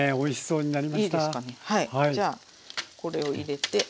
じゃあこれを入れて。